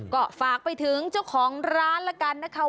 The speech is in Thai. ก็ฝากไปถึงเจ้าของร้านละกันนะคะ